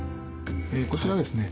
こちらはですね